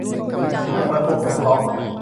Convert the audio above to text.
นักสังคมสงเคราะห์